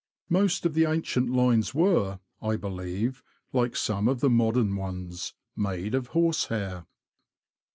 Most of the ancient lines were, I believe, like some of the modern ones, made of horse hair.